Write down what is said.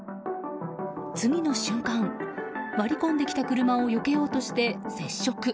次の瞬間、割り込んできた車をよけようとして接触。